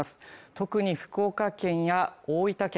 特に福岡県や大分県